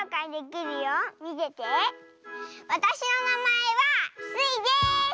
わたしのなまえはスイです！